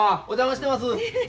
お邪魔してます。